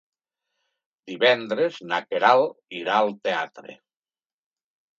Divendres na Queralt irà al teatre.